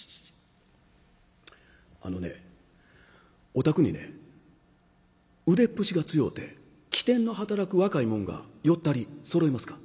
お宅にね腕っぷしが強うて機転の働く若い者が四人そろいますか？